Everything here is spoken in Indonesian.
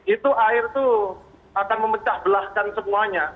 itu air itu akan memecah belahkan semuanya